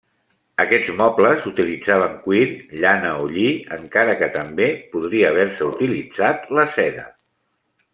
Aquests mobles utilitzaven cuir, llana o lli, encara que també podria haver-se utilitzat la seda.